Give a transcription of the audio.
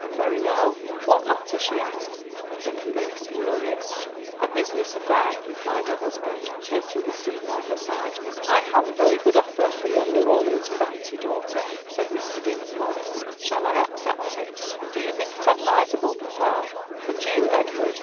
"Very well." "What matter?" she asked, looking a little curious. "A business affair," replied her husband, taking a seat by her side. "I have a very good offer for your New Orleans property, daughter," said Mr. Dinsmore; "shall I accept it?" "Do you think it advisable, papa? and you, Edward?